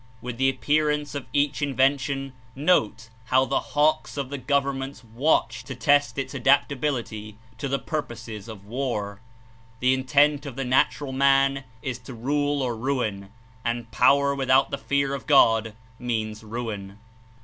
With the appearance of each In vention, note how the hawks of the governments watch to test Its adaptability to purposes of war. The intent of the natural man Is to rule or ruin, and power without the fear of God means ruin.